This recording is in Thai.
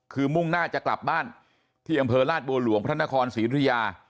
คือมุ่งหน้าจะกลับบ้านที่อำเภอราชบัวหลวงพระนครศรีธุยา